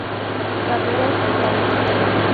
Carreras de galgos.